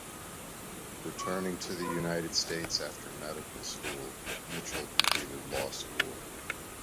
Returning to the United States after medical school, Mitchill completed law school.